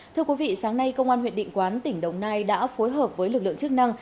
thưa quý vị sáng nay công an huyện định quán tỉnh đồng nai đã phối hợp với lực lượng chức năng